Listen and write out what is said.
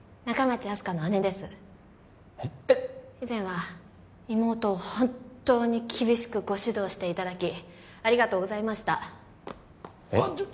以前は妹をほんっとうに厳しくご指導していただきありがとうございましたえっ？